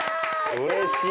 うれしい。